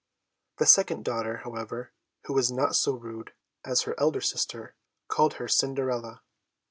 The second daughter, however, who was not so rude as her elder sister, called her Cinderella.